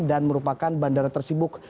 dan merupakan bandara tersibuk